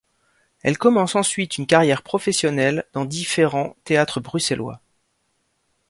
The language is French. Elle commence ensuite une carrière professionnelle dans différents théâtres bruxellois.